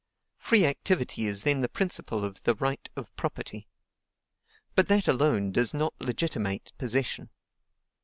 Free activity is then the principle of the right of property. But that alone does not legitimate possession.